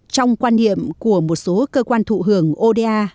trong quan niệm của một số cơ quan thụ hưởng oda